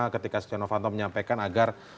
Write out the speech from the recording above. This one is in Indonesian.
ketika stiano fanto menyampaikan agar